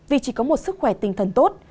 vì chỉ có một sức khỏe tinh thần tốt